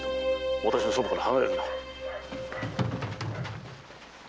私のそばから離れるな。